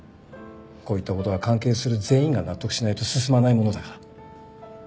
こういった事は関係する全員が納得しないと進まないものだから。